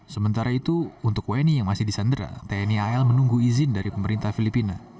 sementara itu untuk wni yang masih di sandera tni al menunggu izin dari pemerintah filipina